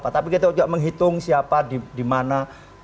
tapi kita juga menghitung siapa di mana